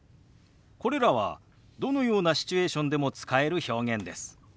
これらはどのようなシチュエーションでも使える表現です。